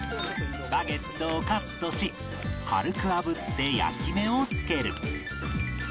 バゲットをカットし軽くあぶって焼き目をつける